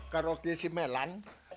kalau dia simelan